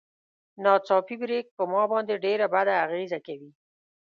ناڅاپي بريک ما باندې ډېره بده اغېزه کوي.